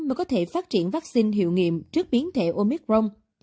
mới có thể phát triển vaccine hiệu nghiệm trước biến thể omicron